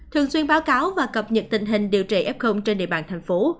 thường xuyên báo cáo và cập nhật tình hình điều trị f trên địa bàn thành phố